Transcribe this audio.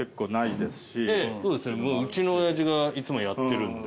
うちの親父がいつもやってるんで。